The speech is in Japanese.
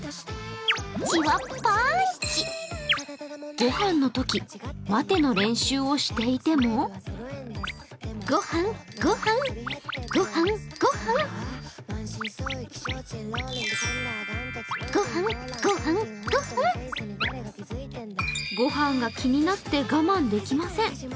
ご飯のとき待ての練習をしていてもご飯が気になって我慢できません。